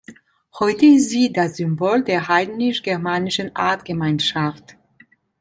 Heute ist sie das Symbol der heidnisch-germanischen Artgemeinschaft.